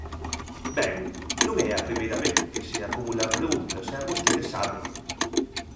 Ben, non é a primeira vez que se acumulan preguntas, e vostedes sábeno.